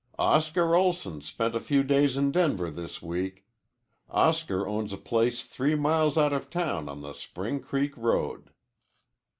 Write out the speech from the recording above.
Oscar Olson spent a few days in Denver this week. Oscar owns a place three miles out of town on the Spring Creek road.